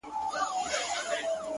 څه یې مسجد دی څه یې آذان دی!